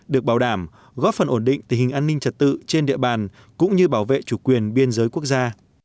được bảo đảm góp phần ổn định tình hình an ninh trật tự trên địa bàn cũng như bảo vệ chủ quyền biên giới quốc gia